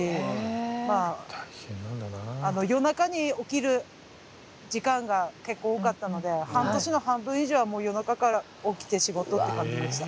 まあ夜中に起きる時間が結構多かったので半年の半分以上はもう夜中から起きて仕事って感じでした。